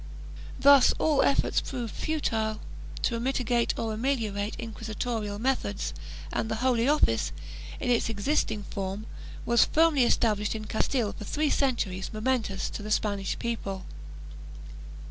Thus all efforts proved futile to mitigate or ameliorate inquisi torial methods, and the Holy Office, in its existing form, was firmly established in Castile for three centuries momentous to the Spanish people.